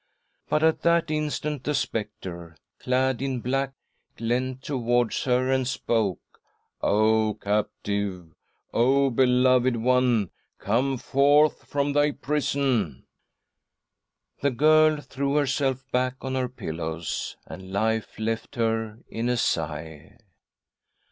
But at that instant the spectre, clad in black, leant towards her, and spoke :" O captive,. O beloved one, come forth from thy prison !" The girl threw herself back on her pillows, and life left her in a sigh.